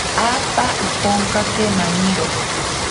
Apa itonkake maniro.